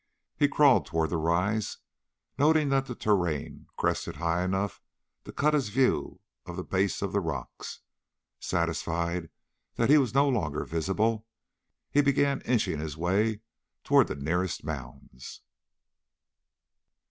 He crawled toward the rise, noting that the terrain crested high enough to cut his view of the base of the rocks. Satisfied that he was no longer visible, he began inching his way toward the nearest mounds.